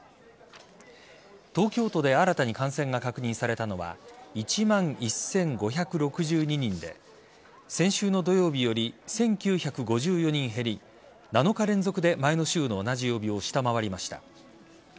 東京都で新たに感染が確認されたのは１万１５６２人で先週の土曜日より１９５４人減り７日連続で前の週の同じ曜日を下回りました。